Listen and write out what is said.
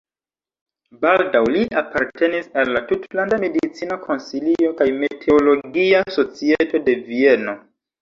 Baldaŭ li apartenis al la tutlanda medicina konsilio kaj meteologia societo de Vieno.